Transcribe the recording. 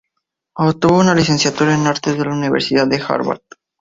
Obtuvo una licenciatura en artes de la Universidad de Harvard.